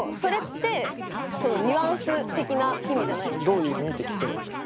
どういう意味？って聞けばいいじゃん